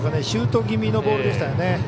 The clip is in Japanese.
シュート気味のボールでしたね。